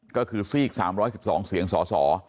ก็คือซีก๓๑๒เสียงสส